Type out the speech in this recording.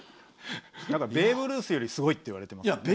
ベーブ・ルースよりもすごいって言われてますね。